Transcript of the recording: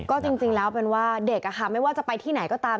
ก็จริงแล้วเป็นว่าเด็กไม่ว่าจะไปที่ไหนก็ตาม